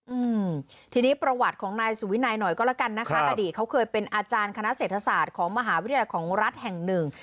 อืมทีนี้ประวัติของนายสุวินัยหน่อยก็แล้วกันนะคะอดีตเขาเคยเป็นอาจารย์คณะเศรษฐศาสตร์ของมหาวิทยาลัยของรัฐแห่งหนึ่ง